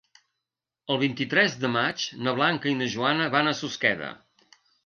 El vint-i-tres de maig na Blanca i na Joana van a Susqueda.